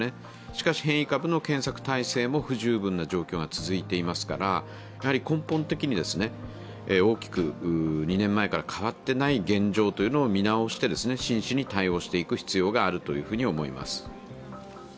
しかし、変異株の検索体制も不十分な状況が続いていますから根本的に大きく２年前から変わっていない現状を見直して、真摯に対応していく必要があるというふうに思います。